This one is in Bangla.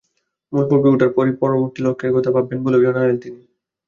মূল পর্বে ওঠার পরই পরবর্তী লক্ষ্যের কথা ভাববেন বলেও জানালেন তিনি।